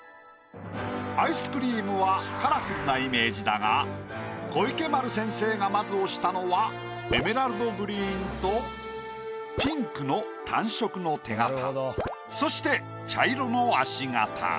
アイスクリームはカラフルなイメージだが小池丸先生がまず押したのはエメラルドグリーンとピンクの単色の手形そして茶色の足形。